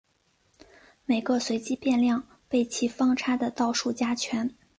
每个随机变量被其方差的倒数加权。